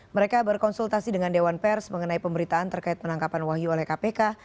mereka berkonsultasi dengan dewan pers mengenai pemberitaan terkait penangkapan wahyu oleh kpk